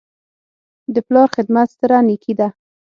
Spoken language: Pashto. د پلار خدمت ستره نیکي ده.